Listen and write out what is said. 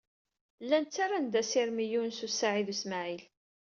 Llan ttarran-d asirem i Yunes u Saɛid u Smaɛil.